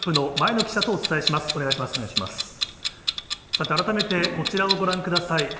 さて、改めてこちらをご覧ください。